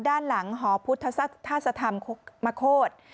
ด้านหลังหอพุทธธรรมมโคตร